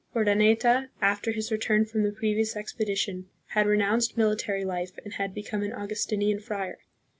Urdaneta, after his return from the previous expedition, had re nounced military life and had become an Augustinian friar.